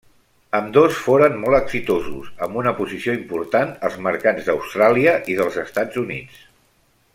Ambdós foren molt exitosos, amb una posició important als mercats d'Austràlia i dels Estats Units.